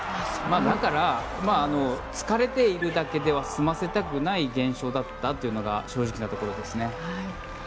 だから、疲れているだけでは済ませたくない現象だったというのが正直なところですね。